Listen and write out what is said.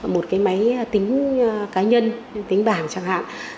một máy tính cá nhân tính bảng chẳng hạn